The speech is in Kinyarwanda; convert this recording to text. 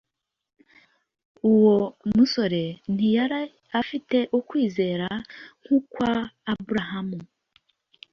Uwo musore ntiyari afite ukwizera nk'ukwa Aburahamu,